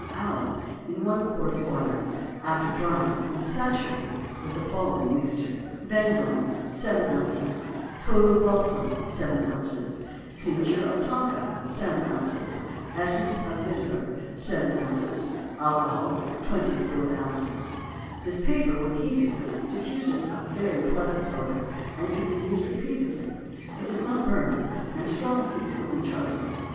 of alum in one quart of water; after drying, it is saturated with the following mixture: Benzoin 7 oz. Tolu balsam 7 oz. Tincture of tonka 7 oz. Essence of vetiver 7 oz. Alcohol 20 fl. oz. This paper, when heated, diffuses a very pleasant odor and can be used repeatedly. It does not burn, and strong heat only chars it.